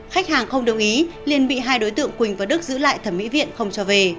khách hàng không đồng ý liên bị hai đối tượng quỳnh và đức giữ lại thẩm mỹ viện không cho về